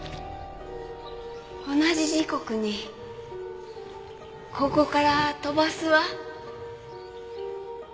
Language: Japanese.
同じ時刻にここから飛ばすわ。